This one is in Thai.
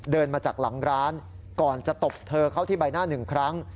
เดินมาจากหลังร้านก่อนจะตบเธอเข้าที่ใบหน้าหนึ่งครั้ง